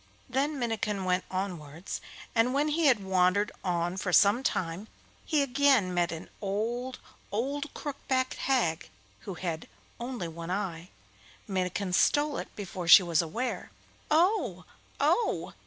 Then Minnikin went onwards, and when he had wandered on for some time he again met an old, old crook backed hag, who had only one eye. Minnikin stole it before she was aware. 'Oh! oh!